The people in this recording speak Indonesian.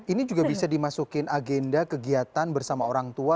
ini juga bisa dimasukin agenda kegiatan bersama orang tua